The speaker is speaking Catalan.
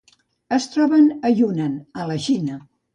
Es troben a Yunnan, a la Xina.